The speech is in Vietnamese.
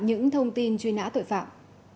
những thông tin truy nã tội phạm